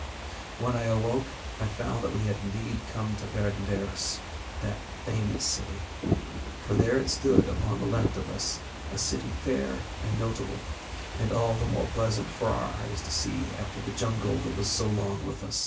When I awoke I found that we had indeed come to Perd├│ndaris, that famous city. For there it stood upon the left of us, a city fair and notable, and all the more pleasant for our eyes to see after the jungle that was so long with us.